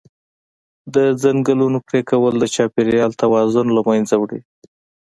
د ځنګلونو پرېکول د چاپېریال توازن له منځه وړي.